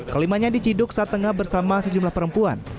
kelimanya diciduk saat tengah bersama sejumlah perempuan